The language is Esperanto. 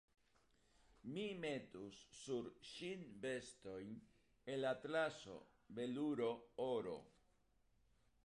Mi metus sur ŝin vestojn el atlaso, veluro, oro.